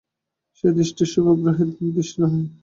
সে দৃষ্টি শুভগ্রহের দৃষ্টি নহে।